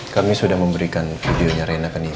kami sudah memberikan videonya reina ke nino